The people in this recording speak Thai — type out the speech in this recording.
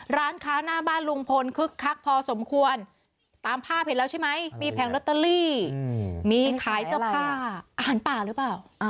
ร้านค้าหน้าบ้านลุงพลคึกคักพอสมควรตามภาพเห็นแล้วใช่ไหมมีแผงลอตเตอรี่มีขายเสื้อผ้าอาหารป่าหรือเปล่า